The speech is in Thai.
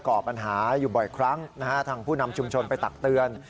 ก่อปัญหาอยู่บ่อยครั้งนะฮะทางผู้นำชุมชนไปตักเตือน